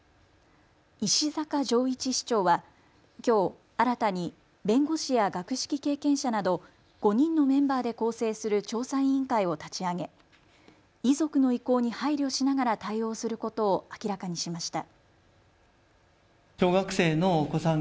石阪丈一市長はきょう新たに弁護士や学識経験者など５人のメンバーで構成する調査委員会を立ち上げ遺族の意向に配慮しながら対応することを明らかにしました。